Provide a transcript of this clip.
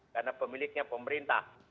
karena pemiliknya pemerintah